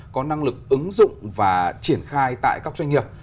có năng lực ứng dụng và triển khai tại các doanh nghiệp